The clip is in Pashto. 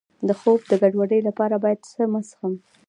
د خوب د ګډوډۍ لپاره باید څه مه څښم؟